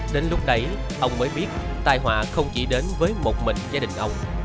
đến lúc đấy ông mới biết tài họa không chỉ đến với một mình gia đình ông